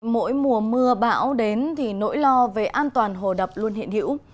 mỗi mùa mưa bão đến thì nỗi lo về an toàn hồ đập luôn hiện hữu